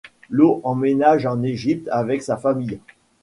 Lo emménage en Égypte avec sa famille.